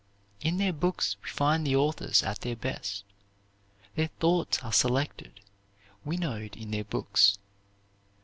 In their books we find the authors at their best. Their thoughts are selected, winnowed in their books.